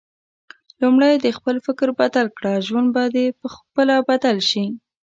لومړی د خپل فکر بدل کړه ، ژوند به د خپله بدل شي